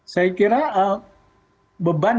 saya kira beban yang